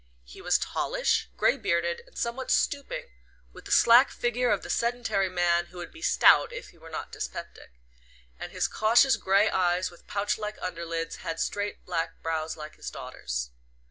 He was tallish, grey bearded and somewhat stooping, with the slack figure of the sedentary man who would be stout if he were not dyspeptic; and his cautious grey eyes with pouch like underlids had straight black brows like his daughter's.